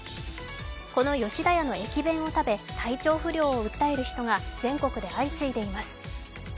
この吉田屋の駅弁を食べ、体調不良を訴える人が全国で相次いでいます。